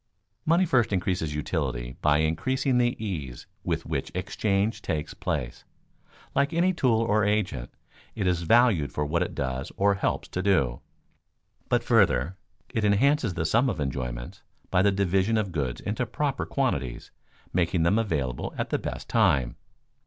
_ Money first increases utility by increasing the ease with which exchange takes place. Like any tool or agent, it is valued for what it does or helps to do. But further, it enhances the sum of enjoyments by the division of goods into proper quantities, making them available at the best time.